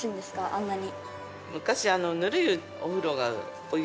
あんなに。